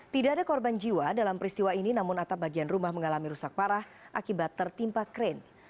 tidak ada korban jiwa dalam peristiwa ini namun atap bagian rumah mengalami rusak parah akibat tertimpa kren